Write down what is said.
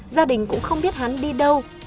gia đình cũng không biết hắn đi đâu